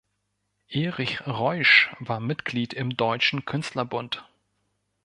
Erich Reusch war Mitglied im Deutschen Künstlerbund.